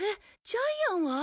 ジャイアンは？